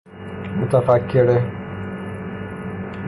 متفکره